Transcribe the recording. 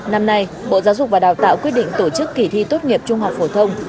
năm nay bộ giáo dục và đào tạo quyết định tổ chức kỳ thi tốt nghiệp trung học phổ thông